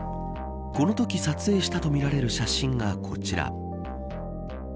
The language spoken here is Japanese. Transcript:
このとき撮影したとみられる写真がこちら。